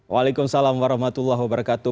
waalaikumsalam warahmatullahi wabarakatuh